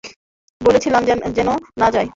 বলেছিলাম যেন না যায়।